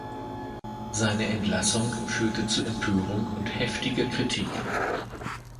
Seine Entlassung führte zu Empörung und heftiger Kritik.